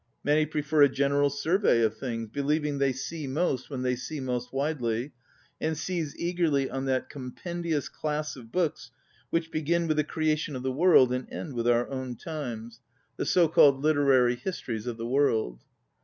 Many prefer a general survey of things, believing they see most when they see most widely, and seize eagerly on that compen dious class of books which begin with the creation of the world and end with our own times, ŌĆö the ON READING so called literary histories of the world.